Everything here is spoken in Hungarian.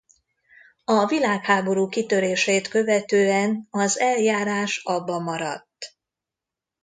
A világháború kitörését követően az eljárás abbamaradt.